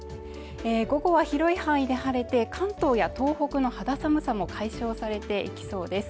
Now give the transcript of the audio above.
午後は広い範囲で晴れて関東や東北の肌寒さも解消されていきそうです